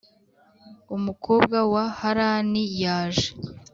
umukobwa wa Harani yaje